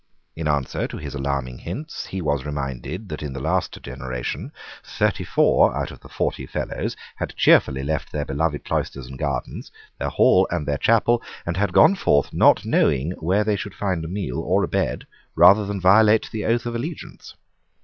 In answer to his alarming hints he was reminded that in the last generation thirty four out of the forty Fellows had cheerfully left their beloved cloisters and gardens, their hall and their chapel, and had gone forth not knowing where they should find a meal or a bed, rather than violate the oath of allegiance.